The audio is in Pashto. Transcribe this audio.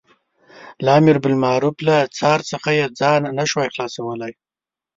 له امر بالمعروف له څار څخه یې ځان نه شوای خلاصولای.